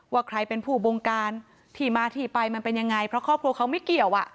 ว่าใครเป็นผู้บงการที่มาที่ไปมันเป็นยังไงเพราะครอบครัวเขาไม่เกี่ยวอ่ะ